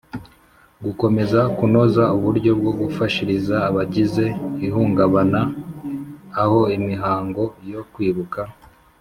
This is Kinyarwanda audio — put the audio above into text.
Gukomeza kunoza uburyo bwo gufashiriza abagize ihungabana aho imihango yo Kwibuka